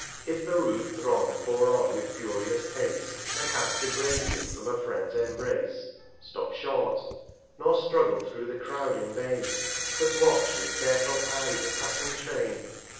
If the rude Throng pour on with furious Pace, And hap to break thee from a Friend's Embrace, Stop short ; nor struggle thro' the Croud in vain, But watch with careful Eye the passing Train.